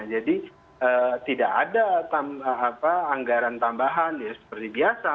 jadi tidak ada anggaran tambahan seperti biasa